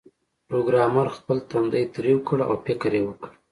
پروګرامر خپل تندی ترېو کړ او فکر یې وکړ